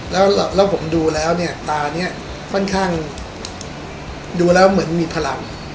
แล้วผมดูแล้วเนี่ยตานี้ค่อนข้างดูแล้วเหมือนมีพลัง